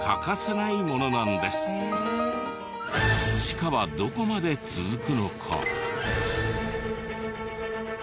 地下はどこまで続くのか？